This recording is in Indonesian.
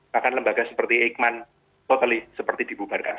bahkan lembaga seperti ikman bokeli seperti dibubarkan